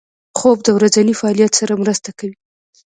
خوب د ورځني فعالیت سره مرسته کوي